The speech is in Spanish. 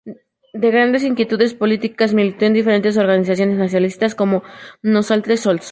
De grandes inquietudes políticas, militó en diferentes organizaciones nacionalistas como "Nosaltres Sols!